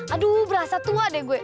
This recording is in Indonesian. aduh berasa tua deh gue